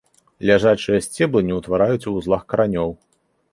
Ляжачыя сцеблы не ўтвараюць ў вузлах каранёў.